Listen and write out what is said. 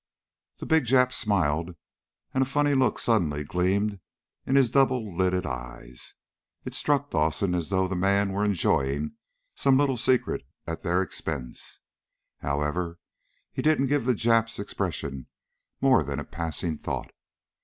The big Jap smiled, and a funny look suddenly gleamed in his double lidded eyes. It struck Dawson as though the man were enjoying some little secret at their expense. However, he didn't give the Jap's expression more than a passing thought.